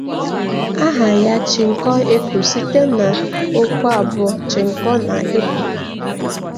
Aha ya "Chinko Ekun" site n'okwu abụọ "Chinko" na "Ekun".